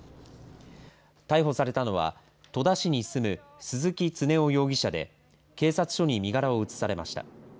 逮捕されたのは戸田市に住む鈴木常雄容疑者で警察署に身柄を移されました。